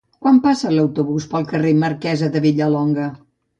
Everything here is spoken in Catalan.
Quan passa l'autobús pel carrer Marquesa de Vilallonga?